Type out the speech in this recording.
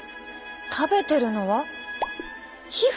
食べてるのは皮膚？